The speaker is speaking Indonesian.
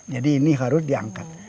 jadi ini harus diangkat